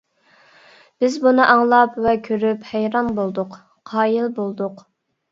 بىز بۇنى ئاڭلاپ ۋە كۆرۈپ ھەيران بولدۇق، قايىل بولدۇق.